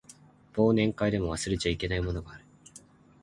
忘年会でも忘れちゃいけないものがある